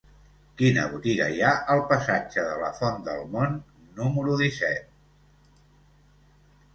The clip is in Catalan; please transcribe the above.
Quina botiga hi ha al passatge de la Font del Mont número disset?